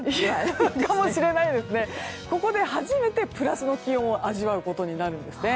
ここで初めてプラスの気温を味わうことになるんですね。